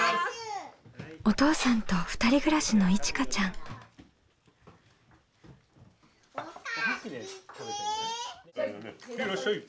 お父さんと２人暮らしのいちかちゃん。へいらっしゃい。